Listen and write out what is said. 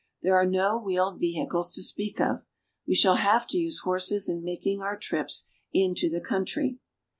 There are no wheeled vehicles to speak of. We shall have to use horses in making our trips into the country.